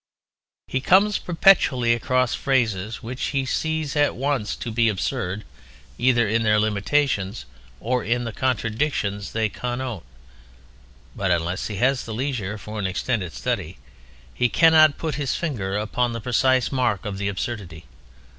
He comes perpetually across phrases which he sees at once to be absurd, either in their limitations or in the contradictions they connote. But unless he has the leisure for an extended study, he cannot put his finger upon the precise mark of the absurdity.